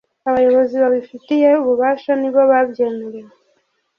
Abayobozi babifitiye ububasha nibo babyemerewe